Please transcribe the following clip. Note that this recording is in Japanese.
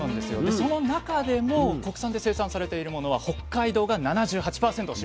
その中でも国産で生産されているものは北海道が７８％を占めているんです。